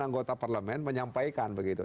anggota parlemen menyampaikan begitu